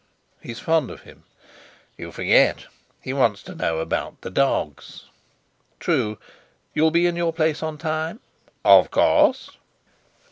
"He's fond of him?" "You forget. He wants to know about the dogs." "True. You'll be in your place in time?" "Of course."